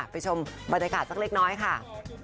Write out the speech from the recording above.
ชมบรรยากาศสักเล็กน้อยค่ะ